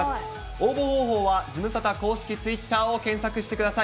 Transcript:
応募方法はズムサタ公式ツイッターを検索してください。